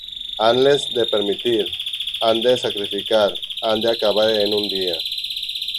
¿hanles de permitir? ¿han de sacrificar? ¿han de acabar en un día?